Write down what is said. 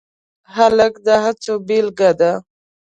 هلک د هڅو بیلګه ده.